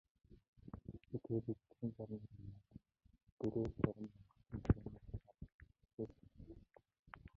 Бид хоёр ижилхэн бор морь унаад дөрөө зурам ургасан тарианы захаар шогшуулж явна.